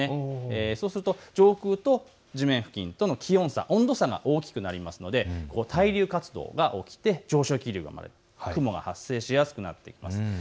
そうすると上空と地面付近との気温差、温度差が大きくなりますので対流活動が起きて上昇気流が生まれる、雲が発生しやすくなってきます。